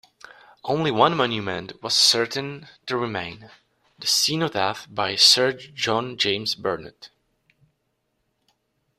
Only one monument was certain to remain; the Cenotaph by Sir John James Burnet.